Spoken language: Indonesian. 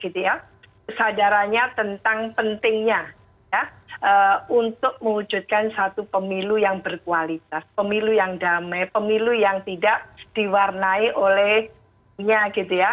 kesadarannya tentang pentingnya untuk mewujudkan satu pemilu yang berkualitas pemilu yang damai pemilu yang tidak diwarnai olehnya gitu ya